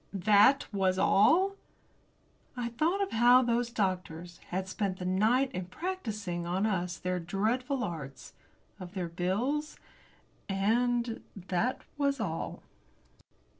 That was all? I thought of how those doctors had spent the night in practising on us their dreadful arts, of their bills, and that was all.